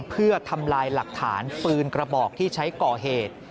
เพื่อทำลายหลักฐานปืนกระบอกที่ใช้ก่อเหตุ